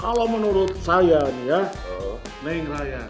kalau menurut saya nih ya neng raya